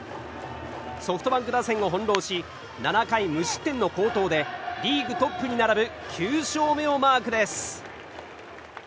ソフトバンク打線を翻弄し７回無失点の好投でリーグトップに並ぶ９勝目をマークです。